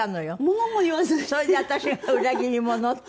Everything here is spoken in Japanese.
それで私が「裏切り者」って。